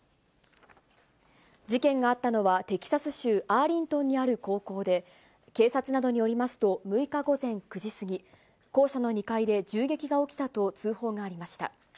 事件があったのは、テキサス州アーリントンにある高校で、警察などによりますと、６日午前９時過ぎ、校舎の２階で銃撃が起きたと通報がありました。